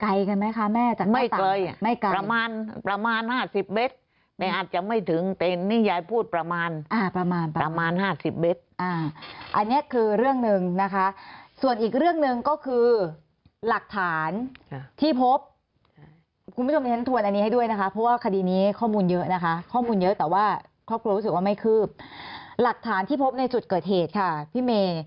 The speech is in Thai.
แม่จากไม่ไกลประมาณประมาณ๕๐เมตรแม่อาจจะไม่ถึงเป็นนี่ยายพูดประมาณอ่าประมาณประมาณ๕๐เมตรอ่าอันนี้คือเรื่องหนึ่งนะคะส่วนอีกเรื่องหนึ่งก็คือหลักฐานที่พบคุณผู้ชมที่ฉันทวนอันนี้ให้ด้วยนะคะเพราะว่าคดีนี้ข้อมูลเยอะนะคะข้อมูลเยอะแต่ว่าครอบครัวรู้สึกว่าไม่คืบหลักฐานที่พบในจุดเกิดเหตุค่ะพี่เม